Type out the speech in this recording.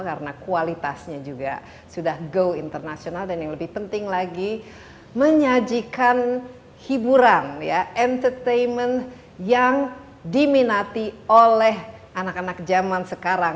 karena kualitasnya juga sudah go internasional dan yang lebih penting lagi menyajikan hiburan entertainment yang diminati oleh anak anak zaman sekarang